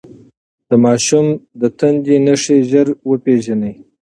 د ماشوم د تنده نښې ژر وپېژنئ.